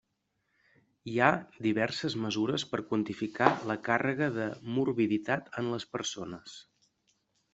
Hi ha diverses mesures per quantificar la càrrega de morbiditat en les persones.